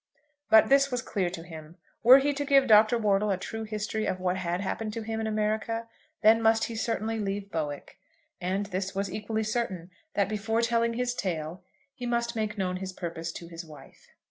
But this was clear to him, were he to give Dr. Wortle a true history of what had happened to him in America, then must he certainly leave Bowick. And this was equally certain, that before telling his tale, he must make known his purpose to his wife.